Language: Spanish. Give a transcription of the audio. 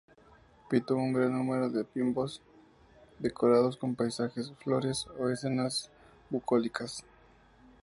Pintó un gran número de biombos decorados con paisajes, flores o escenas bucólicas.